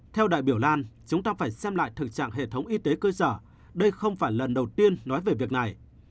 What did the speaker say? theo đại biểu lan chúng ta phải xem lại thực trạng hệ thống y tế cơ sở đây không phải lần đầu tiên nói về việc này